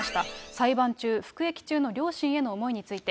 裁判中、服役中の両親への思いについて。